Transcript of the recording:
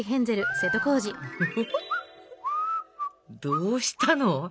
どうしたの？